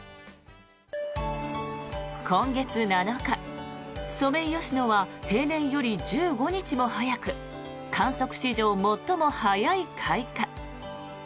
今月７日、ソメイヨシノは平年より１５日も早く観測史上最も早い開花。